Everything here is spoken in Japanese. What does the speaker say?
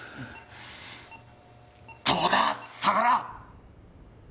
どうだ相良！